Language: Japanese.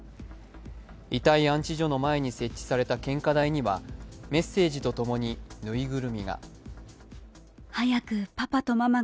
遺体安置所の前に設置された献花台にはメッセージとともに、ぬいぐるみが。